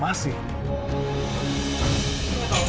masih bisa cundang dulu